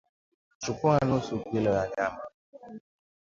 Chukua nusu kilo ya nyama